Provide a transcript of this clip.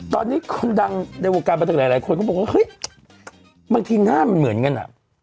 ตอนนี้คนดังในวงการบันเทิงหลายคนก็บอกว่าเฮ้ยบางทีหน้ามันเหมือนกันอ่ะ